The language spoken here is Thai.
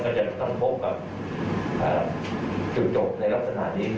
ผู้หลงคลอมถ้าแพทย์ดูแลไม่เรียบร้อย